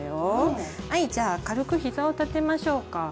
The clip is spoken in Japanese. はいじゃあ軽くひざを立てましょうか。